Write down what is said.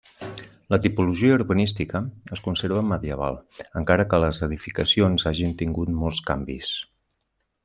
La tipologia urbanística es conserva medieval, encara que les edificacions hagin tingut molts canvis.